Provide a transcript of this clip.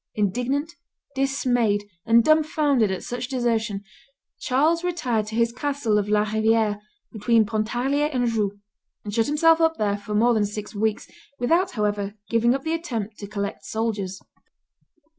Indignant, dismayed, and dumbfounded at such desertion, Charles retired to his castle of La Riviere, between Pontarlier and Joux, and shut himself up there for more than six weeks, without, however, giving up the attempt to collect soldiers.